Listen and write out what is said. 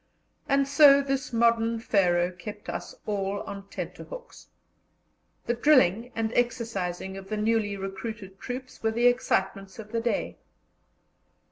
And so this modern Pharaoh kept us all on tenterhooks. The drilling and exercising of the newly recruited troops were the excitements of the day.